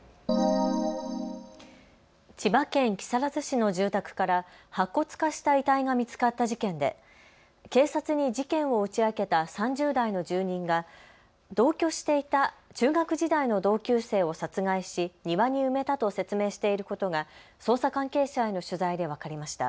千葉県木更津市の住宅から白骨化した遺体が見つかった事件で警察に事件を打ち明けた３０代の住人が同居していた中学時代の同級生を殺害し庭に埋めたと説明していることが捜査関係者への取材で分かりました。